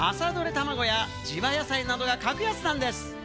たまごや地場野菜などが格安なんです。